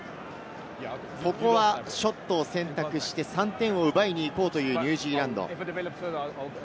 ここはショットを選択して３点奪いに行こうというニュージーランド。